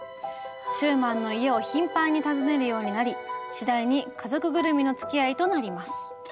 シューマンの家を頻繁に訪ねるようになり次第に家族ぐるみのつきあいとなります。